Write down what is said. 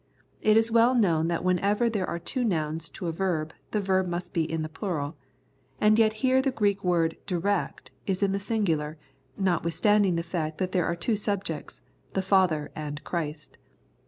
It is well known that whenever there are two nouns to a verb the verb must be in the plural ; and yet here the Greek word " direct " is in the singular, not withstanding the fact that there are two subjects, the Father and Christ.